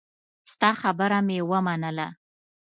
ستا خبره مې ومنله.